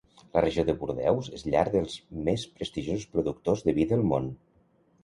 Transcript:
La regió de Bordeus és llar dels més prestigiosos productors de vi del món.